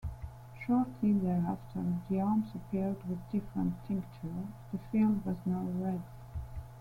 Shortly thereafter, the arms appeared with different tinctures; the field was now red.